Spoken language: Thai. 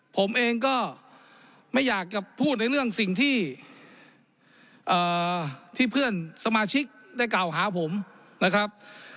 ผมเองก็ไม่อยากจะพูดในเรื่องสิ่งที่เพื่อนสมาชิกได้กล่าวหาผมนะครับ